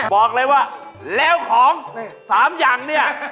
บอกเลยว่าแล้วของ๓อย่างเนี่ย